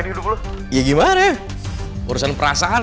coba tunjukin orang orang di sekitar